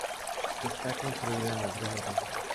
Está construida en ladrillo rojo.